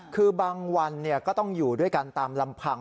คือบางวันก็ต้องอยู่ด้วยกันตามลำพัง